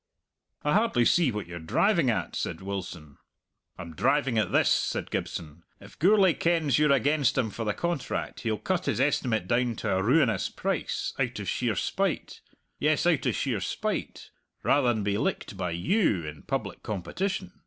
"I hardly see what you're driving at," said Wilson. "I'm driving at this," said Gibson. "If Gourlay kens you're against him for the contract, he'll cut his estimate down to a ruinous price, out o' sheer spite yes, out o' sheer spite rather than be licked by you in public competition.